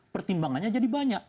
pertimbangannya jadi banyak